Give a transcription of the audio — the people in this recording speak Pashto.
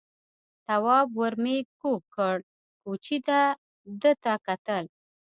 تواب ور مېږ کوږ کړ، کوچي ده ته کتل.